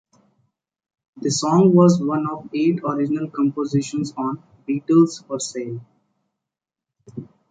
The song was one of eight original compositions on "Beatles for Sale".